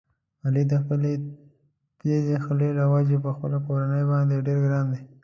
علي د خپلې تېزې خولې له وجې په خپله کورنۍ باندې ډېر ګران دی.